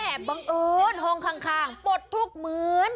ใครออกแบบห้องน้ำวะ